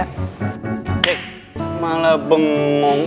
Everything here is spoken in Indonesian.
hei malah bengong